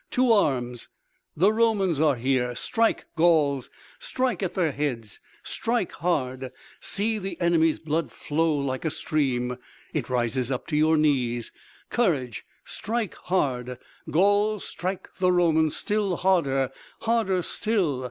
To arms! The Romans are here. Strike, Gauls, strike at their heads! Strike hard! See the enemy's blood flow like a stream! It rises up to your knees! Courage! Strike hard! Gauls, strike the Romans! Still harder! Harder still!